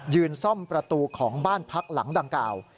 ซ่อมประตูของบ้านพักหลังดังกล่าว